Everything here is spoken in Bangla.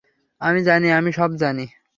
আমি জানি, আমি সব জানি!